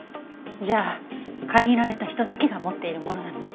じゃあ限られた人だけが持っているものなのね。